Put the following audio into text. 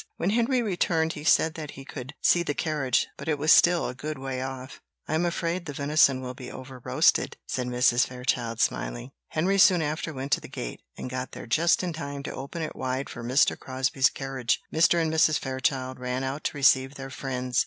When Henry returned he said that he could see the carriage, but it was still a good way off. "I am afraid the venison will be over roasted," said Mrs. Fairchild, smiling. Henry soon after went to the gate, and got there just in time to open it wide for Mr. Crosbie's carriage. Mr. and Mrs. Fairchild ran out to receive their friends.